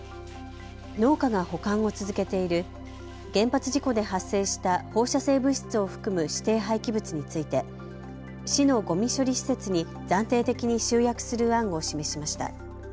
農家が保管を続けている原発事故で発生した放射性物質を含む指定廃棄物について市のごみ処理施設に暫定的に集約する案を示しました。